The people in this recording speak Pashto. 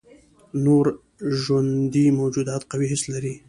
نور ژوندي موجودات قوي حس لري.